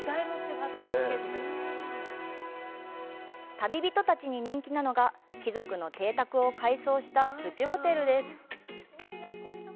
旅人たちに人気なのが、貴族の邸宅を改装したプチホテルです。